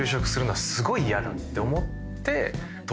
て思って。